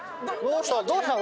どうしたの？